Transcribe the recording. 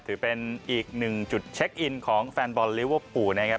ถือเป็นอีกหนึ่งจุดเช็คอินของแฟนบอลลิเวอร์พูลนะครับ